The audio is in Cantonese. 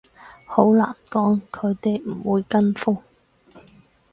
好難講，佢哋唔會跟風